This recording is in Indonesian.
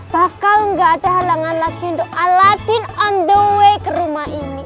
bakal gak ada halangan lagi untuk aladin on the way ke rumah ini